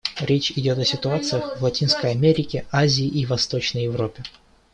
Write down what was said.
Речь идет о ситуациях в Латинской Америке, Азии и Восточной Европе.